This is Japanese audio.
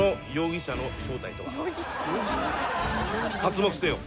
刮目せよ。